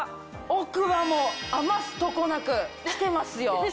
奥歯も余すとこなく来てますよ。